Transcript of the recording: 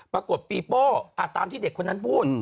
ปรากฏปีโป้ตามที่เด็กคนนั้นพูด